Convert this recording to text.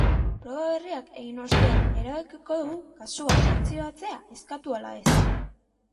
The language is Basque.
Proba berriak egin ostean erabakiko du kasua artxibatzea eskatu ala ez.